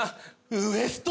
ウエスト！